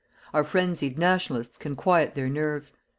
Our frenzied "Nationalists" can quiet their nerves.